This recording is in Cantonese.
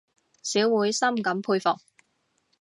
小妹深感佩服